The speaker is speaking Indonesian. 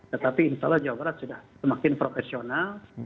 tetapi insya allah jawa barat sudah semakin profesional